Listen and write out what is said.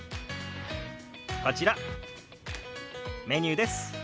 こちらメニューです。